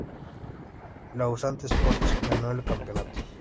Lausanne Sports ganó el campeonato.